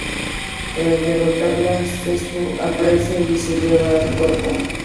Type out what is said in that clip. Tras derrotarla, Zetsu aparece y se lleva el cuerpo.